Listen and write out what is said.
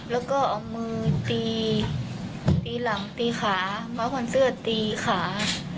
แล้วก็เอามือตีหลังตีขาม้าขวัญเสื้อตีขา